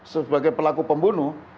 sebagai pelaku pembunuh